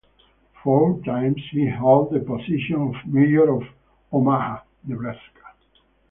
Four times he held the position of mayor of Omaha, Nebraska.